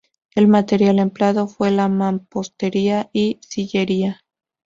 El material empleado fue la mampostería y sillería.